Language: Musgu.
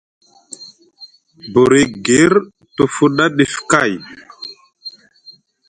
Buri gir te fuɗa ɗif kay,